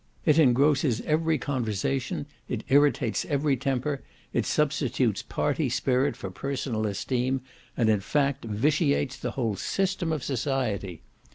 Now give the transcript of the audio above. It engrosses every conversation, it irritates every temper, it substitutes party spirit for personal esteem; and, in fact, vitiates the whole system of society.